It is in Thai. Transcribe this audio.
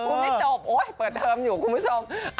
ไม่จบโอ๊ยเปิดเทอมอยู่คุณผู้ชม